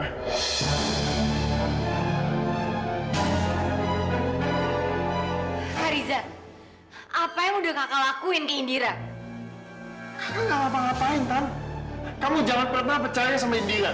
hariza apa yang udah kakak lakuin ke indira